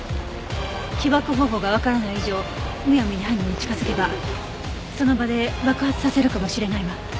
起爆方法がわからない以上むやみに犯人に近づけばその場で爆発させるかもしれないわ。